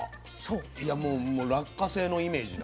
いやもう落花生のイメージなんです。